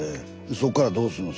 そっからどうすんの？